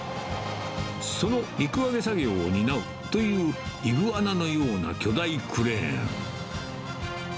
その陸揚げ作業を担うというイグアナのような巨大クレーン。